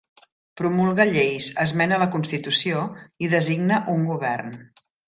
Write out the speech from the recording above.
Promulga lleis, esmena la constitució i designa un govern.